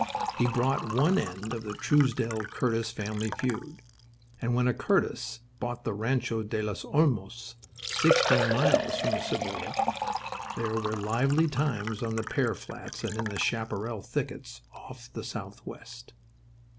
He brought one end of the Truesdell Curtis family feud. And when a Curtis bought the Rancho de los Olmos, sixteen miles from the Cibolo, there were lively times on the pear flats and in the chaparral thickets off the Southwest.